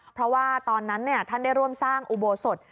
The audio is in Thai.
เพราะว่าตอนนั้นท่านได้ร่วมสร้างอุโบสถ